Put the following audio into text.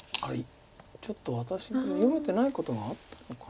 ちょっと私が読めてないことがあったのかな。